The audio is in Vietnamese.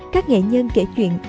các nghệ nhân kể chuyện